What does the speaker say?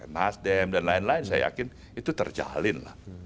nasdem dan lain lain saya yakin itu terjalin lah